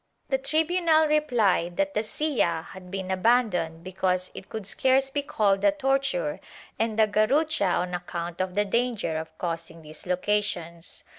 The tribunal replied that the silla had been abandoned because it could scarce be called a torture and the garrucha on account of the danger of causing dislocations.